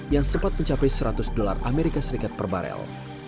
yang sempat mencapai seratus dolar as per barel